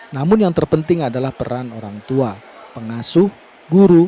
namun yang terpenting adalah peran orang tua pengasuh guru